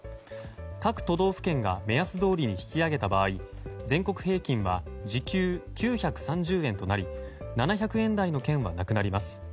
各都道府県が目安どおりに引き上げた場合全国平均は時給９３０円となり７００円台の県はなくなります。